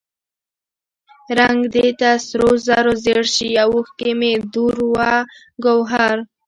رنګ دې تر سرو زرو زیړ شي او اوښکې مې دُر و ګوهر.